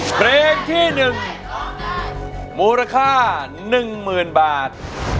เพลงที่๑มูลค่า๑๐๐๐บาท